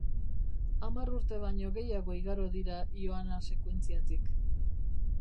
Hamar urte baino gehiago igaro dira Ioana sekuentziatik.